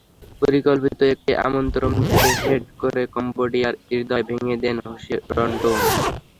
পরিকল্পিত একটি আক্রমণ থেকে হেড করে কলম্বিয়ার হৃদয় ভেঙে দেন হোসে রনডন।